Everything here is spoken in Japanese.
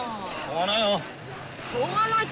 しょうがないよ。